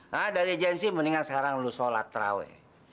hah dari agensi mendingan sekarang lo sholat raweh